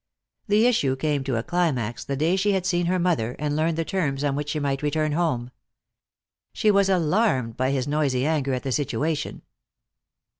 That issue came to a climax the day she had seen her mother and learned the terms on which she might return home. She was alarmed by his noisy anger at the situation.